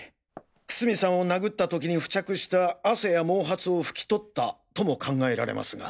楠見さんを殴った時に付着した汗や毛髪を拭き取ったとも考えられますが。